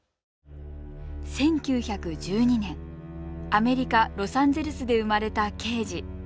１９１２年アメリカ・ロサンゼルスで生まれたケージ。